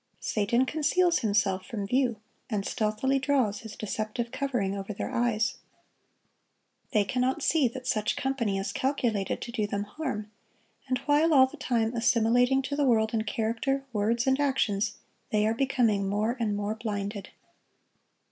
Satan conceals himself from view, and stealthily draws his deceptive covering over their eyes. They cannot see that such company is calculated to do them harm; and while all the time assimilating to the world in character, words, and actions, they are becoming more and more blinded.